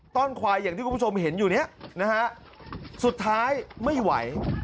้อนควายอย่างที่คุณผู้ชมเห็นอยู่เนี่ยนะฮะสุดท้ายไม่ไหว